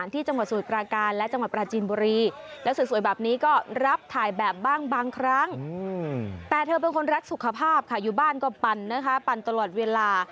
เธอเป็นคนรักสุขภาพค่ะอยู่บ้านก็ปั่นนะคะปั่นตลอดเวลา